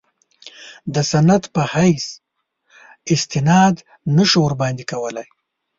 د سند په حیث استناد نه شو ورباندې کولای.